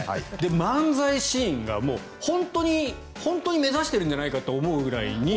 漫才シーンが本当に目指してるんじゃないかというぐらい。